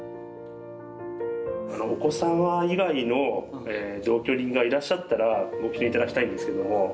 お子様以外の同居人がいらっしゃったらご記入頂きたいんですけども。